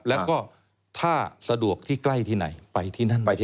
แล้วก็ถ้าสะดวกที่ใกล้ที่ไหนไปที่นั่นไปที่